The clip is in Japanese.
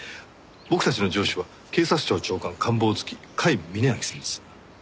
僕たちの上司は警察庁長官官房付甲斐峯秋さんです。